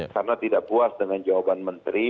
karena tidak puas dengan jawaban menteri